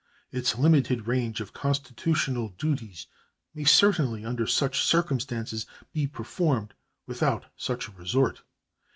Its limited range of constitutional duties may certainly under such circumstances be performed without such a resort.